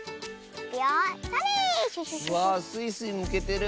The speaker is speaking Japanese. わあスイスイむけてる。